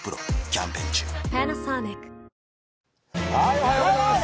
おはようございます！